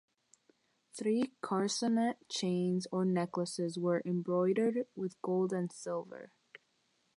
Three "carcanet chains" or necklaces were embroidered with gold and silver.